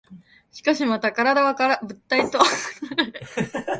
しかしまた身体は物体とは異なる主体的意味をもっている。